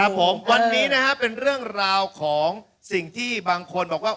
ผมวันนี้นะครับเป็นเรื่องราวของสิ่งที่บางคนบอกว่า